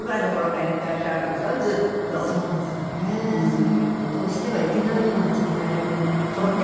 そういう事をしてはいけないような時代にね。